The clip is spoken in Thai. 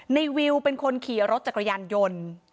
วิวเป็นคนขี่รถจักรยานยนต์